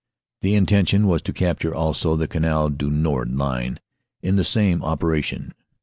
The intention was to capture also the Canal du Nord line in the same operation.